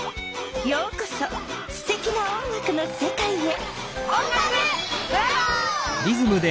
ようこそすてきな音楽のせかいへ！